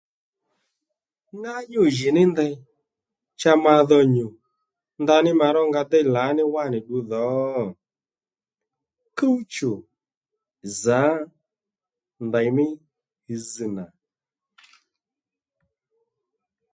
Ŋá nyû jì ní ndèy cha ma dho nyù ndaní ma rónga déy lǎní wánì ddu dhò? kúw-chù, zǎ ndèymí zz nà